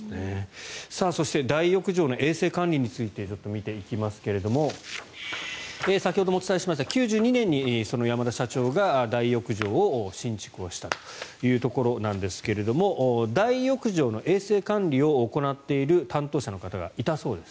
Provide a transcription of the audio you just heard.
そして大浴場の衛生管理についてちょっと見ていきますが先ほどもお伝えしました９２年に山田社長が大浴場を新築したというところなんですが大浴場の衛生管理を行っている担当者の方がいたそうです。